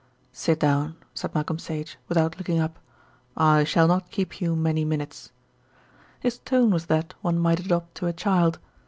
"Sit down," said Malcolm Sage, without looking up, "I shall not keep you many minutes." His tone was that one might adopt to a child.